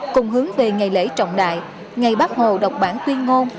cùng hướng về ngày lễ trọng đại ngày bác hồ đọc bản tuyên ngôn